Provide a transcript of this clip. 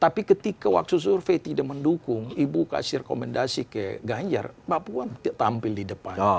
tapi ketika waktu survei tidak mendukung ibu kasih rekomendasi ke ganjar mbak puan tampil di depan